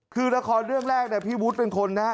คือละครเรื่องแรกพี่วุฒิเป็นคนนะฮะ